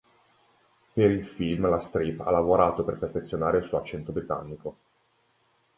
Per il film la Streep ha lavorato per perfezionare il suo accento britannico.